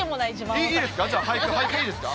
いいですか？